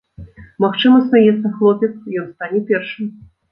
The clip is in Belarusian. Магчыма, смяецца хлопец, ён стане першым.